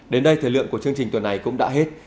đến đây thời lượng của chương trình tuần này cũng đã hết